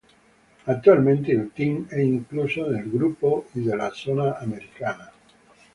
Attualmente il team è incluso nel Gruppo I della zona Americana.